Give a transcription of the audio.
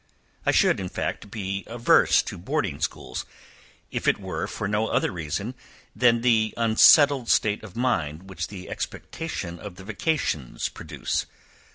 I should, in fact, be averse to boarding schools, if it were for no other reason than the unsettled state of mind which the expectation of the vacations produce.